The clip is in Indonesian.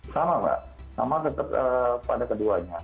sama mbak sama pada keduanya